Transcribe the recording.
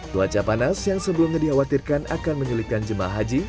cuaca panas yang sebelumnya dikhawatirkan akan menyulitkan jemaah haji